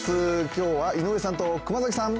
今日は井上さんと熊崎さん。